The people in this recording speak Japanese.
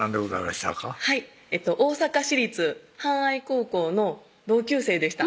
はい大阪市立汎愛高校の同級生でした